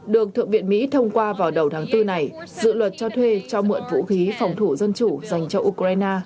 được thượng viện mỹ thông qua vào đầu tháng bốn này dự luật cho thuê cho mượn vũ khí phòng thủ dân chủ dành cho ukraine